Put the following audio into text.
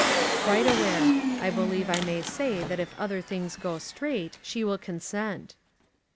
"Quite aware. I believe I may say that if other things go straight, she will consent."